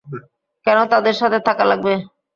কেন তাদের সাথে থাকা লাগবে?